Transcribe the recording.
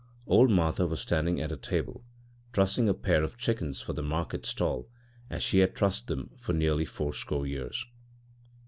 Old Martha was standing at a table trussing a pair of chickens for the market stall as she had trussed them for nearly fourscore years.